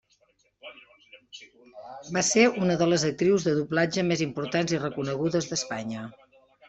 Va ser una de les actrius de doblatge més importants i reconegudes d'Espanya.